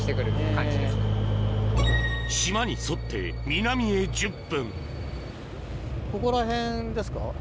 島に沿って南へ１０分ここら辺ですか？